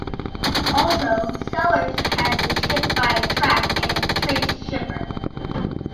Also sellers had to ship by a track and trace shipper.